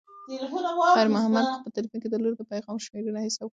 خیر محمد په خپل تلیفون کې د لور د پیغامونو شمېر حساب کړ.